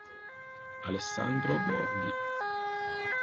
Alessandro Borghi